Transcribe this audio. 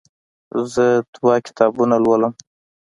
زه دوه کتابونه لولم.